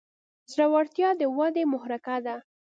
زړورتیا د ودې محرکه ده.